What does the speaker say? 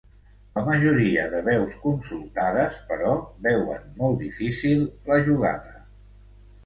la majoria de veus consultades, però, veuen molt difícil la jugada